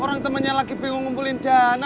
orang temannya lagi bingung ngumpulin dana